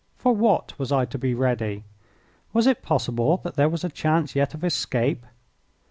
For what was I to be ready? Was it possible that there was a chance yet of escape?